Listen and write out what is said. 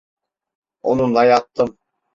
Onunla yattım.